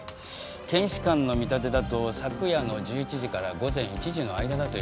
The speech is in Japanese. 検視官の見立てだと昨夜の１１時から午前１時の間だという事です。